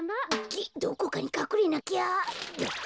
げっどこかにかくれなきゃ。